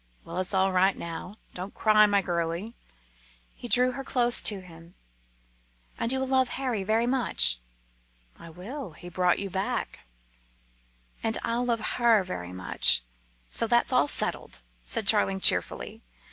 "Well! it's all right now! don't cry, my girlie." He drew her close to him. "And you'll love Harry very much?" "I will. He brought you back." "And I'll love her very much. So that's all settled," said Charling cheerfully.